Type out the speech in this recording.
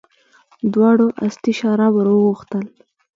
دواړو استي شراب راوغوښتل.